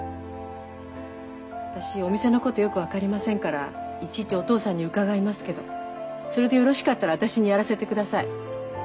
私お店のことよく分かりませんからいちいちお義父さんに伺いますけどそれでよろしかったら私にやらせてください。